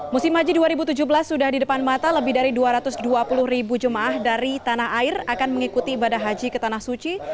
musim haji dua ribu tujuh belas sudah di depan mata lebih dari dua ratus dua puluh ribu jemaah dari tanah air akan mengikuti ibadah haji ke tanah suci